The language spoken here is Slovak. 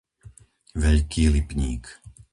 Veľký Lipník